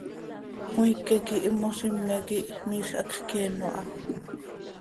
Cmiique quih immozime quij miizj hacx cyeeno ha.